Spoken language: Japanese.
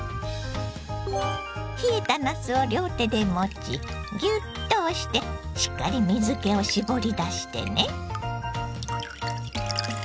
冷えたなすを両手で持ちギュッと押してしっかり水けを絞り出してね。